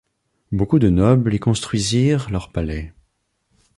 Beaucoup de nobles y construisirent leur palais.